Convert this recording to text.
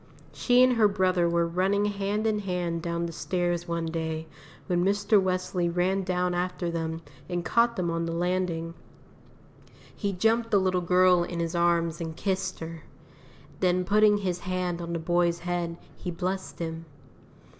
She and her brother were running hand in hand down the stairs one day, when Mr. Wesley ran down after them and caught them on the landing. He jumped the little girl in his arms and kissed her; then putting his hand on the boy's head, he blessed him.